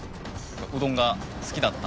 うどんが好きだった？